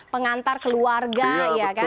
pengantar keluarga ya kan